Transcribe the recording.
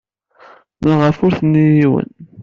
Maɣef ur tenni i yiwen?